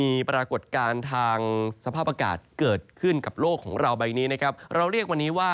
โอกาสการเก็บฝนเยอะเลย